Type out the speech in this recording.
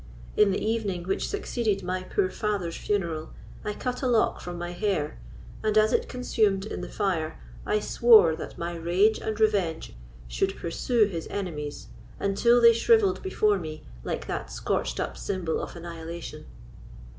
In the evening which succeeded my poor father's funeral, I cut a lock from my hair, and, as it consumed in the fire, I swore that my rage and revenge should pursue his enemies, until they shrivelled before me like that scorched up symbol of annihilation."